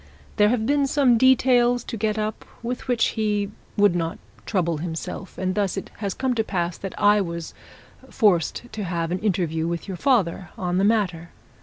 There have been some details to get up with which he would not trouble himself, and thus it has come to pass that I was forced to have an interview with your father on the matter.'